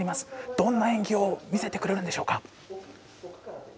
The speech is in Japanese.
どんな演技を見せてくれるんでしょうか？